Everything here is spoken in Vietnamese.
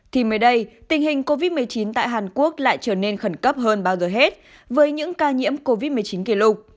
thì mới đây tình hình covid một mươi chín tại hàn quốc lại trở nên khẩn cấp hơn bao giờ hết với những ca nhiễm covid một mươi chín kỷ lục